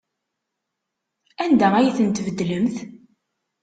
Anda ay ten-tbeddlemt?